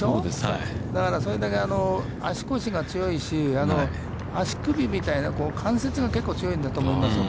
だからそれだけ足腰が強い、足首みたいな関節が結構強いんだと思いますよ。